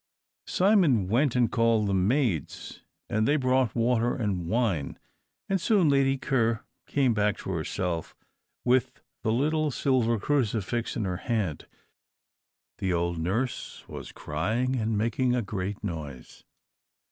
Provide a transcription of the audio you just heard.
Simon went and called the maids, and they brought water and wine, and soon Lady Ker came back to herself, with the little silver crucifix in her hand. The old nurse was crying, and making a great noise.